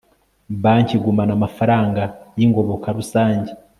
Banki igumana amafaranga y ingoboka rusange